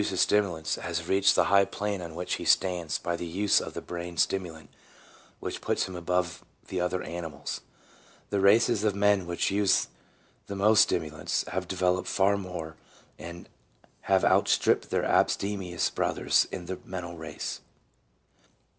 MORALS. 227 stimulants, has reached the high plane on which he stands by the use of the brain stimulant which puts him above the other animals. The races of men which use the most stimulants have developed far more, and have outstripped their abstemious brothers in the mental race.